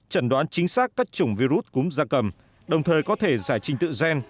trần đoán chính xác các chủng virus cúm gia cầm đồng thời có thể giải trình tự gen